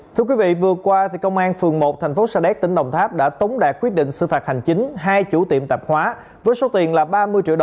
thưa quý vị vừa qua công an phường một tp sa đéc tỉnh đồng tháp đã tống đạt quyết định xử phạt hành chính